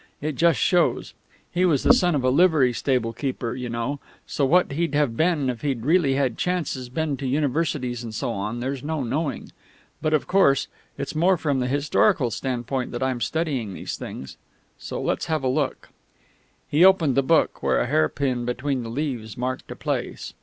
It just shows. He was the son of a livery stable keeper, you know, so what he'd have been if he'd really had chances, been to universities and so on, there's no knowing. But, of course, it's more from the historical standpoint that I'm studying these things. Let's have a look " He opened the book where a hairpin between the leaves marked a place.